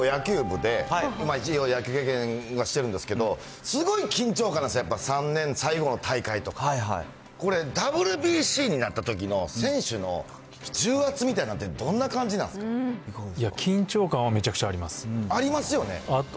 僕、小中高野球部で、一応、野球経験はしてるんですけど、すごい緊張感なんですよ、やっぱ３年最後の大会とか。これ、ＷＢＣになったときの選手の重圧みたいなのってどんな感じなんで緊張感はめちゃくちゃありまありますよね？